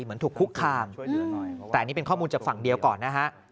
เหมือนถูกคุกคามแต่อันนี้เป็นข้อมูลจากฝั่งเดียวก่อนนะฮะ